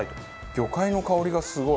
魚介の香りがすごい。